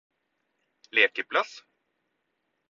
lekeplass